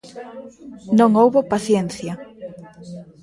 Non houbo paciencia.